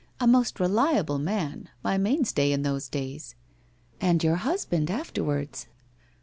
A most reliable man, my mainstay in those days '' And your husband afterwards.'